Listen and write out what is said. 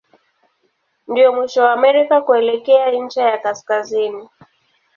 Ndio mwisho wa Amerika kuelekea ncha ya kaskazini.